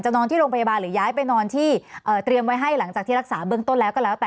นอนที่โรงพยาบาลหรือย้ายไปนอนที่เตรียมไว้ให้หลังจากที่รักษาเบื้องต้นแล้วก็แล้วแต่